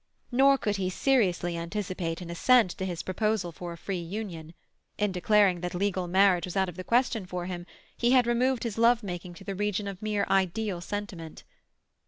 Nor could he seriously anticipate an assent to his proposal for a free union; in declaring that legal marriage was out of the question for him, he had removed his love making to the region of mere ideal sentiment.